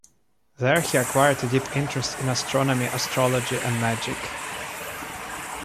There he acquired a deep interest in astronomy, astrology, and magic.